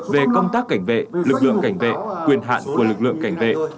về công tác cảnh vệ lực lượng cảnh vệ quyền hạn của lực lượng cảnh vệ